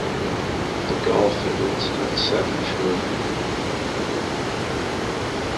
The Garfields had seven children.